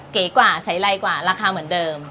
เก๋กว่าใช้ไรกว่าราคาเหมือนเดิม